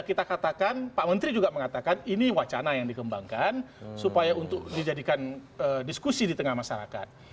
kita katakan pak menteri juga mengatakan ini wacana yang dikembangkan supaya untuk dijadikan diskusi di tengah masyarakat